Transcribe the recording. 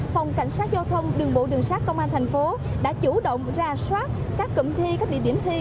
phòng cảnh sát giao thông đường bộ đường sát công an thành phố đã chủ động ra soát các cụm thi các địa điểm thi